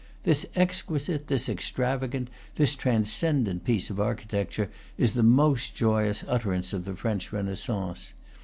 This exquisite, this extravagant, this trans cendent piece of architecture is the most joyous ut terance of the French Renaissance.